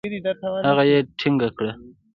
هغه يې ټينګه کړه.